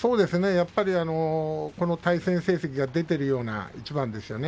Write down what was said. やっぱりこの対戦成績が出ているような一番ですよね。